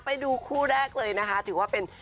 ไปดูคู่แรกเลยนะคะถือว่าเป็น